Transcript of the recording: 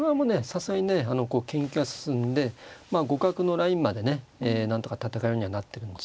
さすがにね研究が進んで互角のラインまでねなんとか戦えるようにはなってるんですよ。